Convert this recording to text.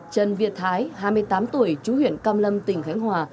trần việt thái hai mươi tám tuổi chú huyện cam lâm tỉnh khánh hòa